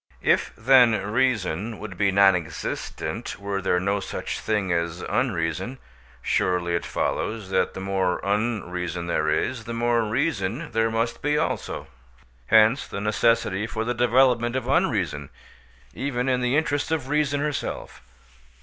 If, then, reason would be non existent were there no such thing as unreason, surely it follows that the more unreason there is, the more reason there must be also? Hence the necessity for the development of unreason, even in the interests of reason herself.